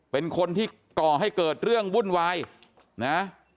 เป็นคนที่ก่อให้เกิดเรื่องวุ่นวายนะ